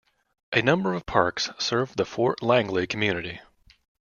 A number of parks serve the Fort Langley community.